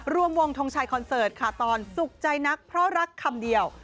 รวมวงทงชัยคอนเสิร์ตค่ะตอนสุขใจนักเพราะรักคำเดียว